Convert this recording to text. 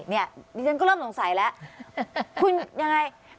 นี่ดิฉันก็เริ่มสงสัยแล้วคุณยังไง